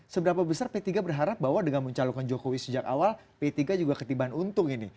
seberapa besar p tiga berharap bahwa dengan mencalonkan jokowi sejak awal p tiga juga ketibaan untung ini